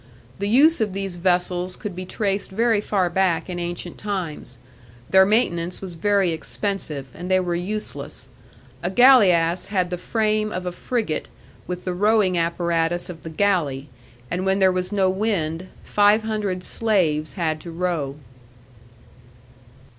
The use of these vessels could be traced very far back in ancient times; their maintenance was very expensive, and they were useless. A galeass had the frame of a frigate with the rowing apparatus of the galley, and when there was no wind, five hundred slaves had to row.